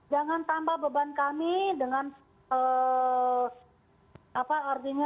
jangan tambah beban kami dengan apa artinya